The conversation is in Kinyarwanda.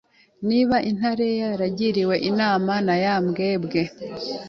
Niba intare yagiriwe inama na ya mbwebwe